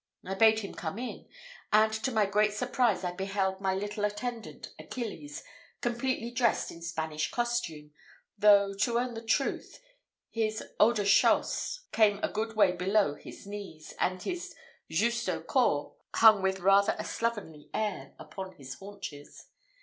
I bade him come in, and to my great surprise I beheld my little attendant, Achilles, completely dressed in Spanish costume; though, to own the truth, his haut de chausse came a good way below his knees, and his just au corps hung with rather a slovenly air about his haunches.